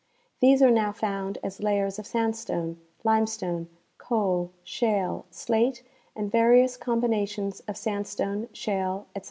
These are now found as la3^ers of sandstone, limestone, coal, shale, slate and various combinations of sandstone, shale, etc.